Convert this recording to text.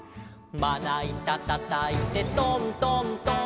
「まないたたたいてトントントン」